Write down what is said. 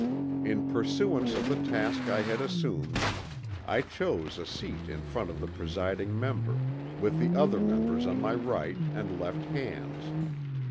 "In pursuance of the task I had assumed, I chose a seat in front of the presiding member, with the other members on my right and left hands.